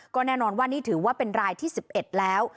ก็แน่นอนว่านี่ถือว่าเป็นรายที่๑๑แล้ว